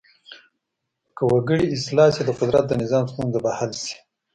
که وګړي اصلاح شي د قدرت د نظام ستونزه به حل شي.